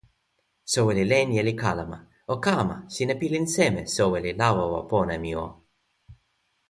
"soweli Lenja li kalama: "o kama! sina pilin seme, soweli Lawawa pona mi o?"